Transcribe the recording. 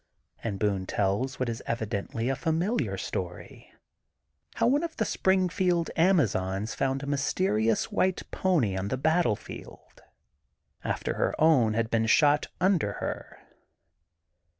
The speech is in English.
And Boone tells what is evidently a familiar story, how one of the Springfield Amazons found a mysterious white pony on the battlefield, after her own had been shot under her.